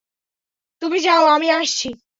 তুমি যাও, আমি আসছি।